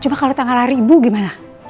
coba kalau tanggal hari ibu gimana